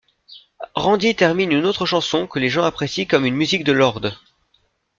Randy termine une autre chanson que les gens apprécient comme une musique de Lorde.